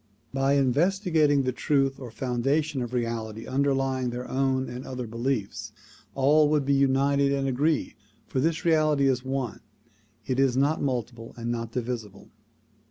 By investigating the truth or foundation of reality underlying their own and other beliefs, all would be united and agreed, for this reality is one; it is not multiple and not divisible.